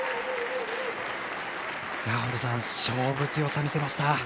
勝負強さ、見せました。